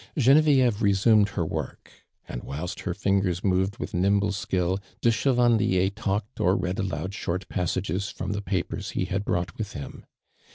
Genevieve resumed her work, and whilst her fingers moved with nimble skill, de ('hevandier talked or read aloud short pas sages from the papers he had brought with him.